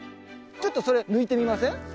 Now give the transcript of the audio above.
ちょっとそれ抜いてみません？